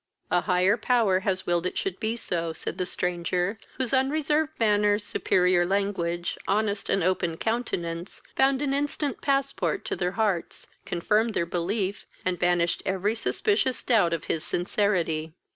"A higher power has willed it should be so," said the stranger, whose unreserved manner, superior language, honest and open countenance, found an instant passport to their hearts, confirmed their belief, and banished every suspicious doubt of his sincerity.